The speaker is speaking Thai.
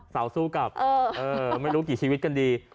เสาสู้กลับไม่รู้กี่ชีวิตกันดี